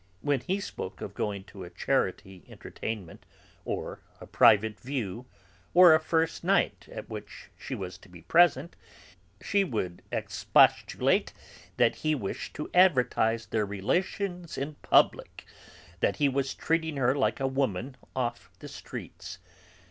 When he spoke of going to a charity entertainment, or a private view, or a first night at which she was to be present, she would expostulate that he wished to advertise their relations in public, that he was treating her like a woman off the streets.